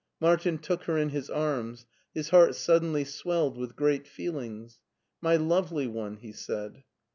Martin took her in his arms; his heart suddenly swelled with great feelings. My lovely one/' he said.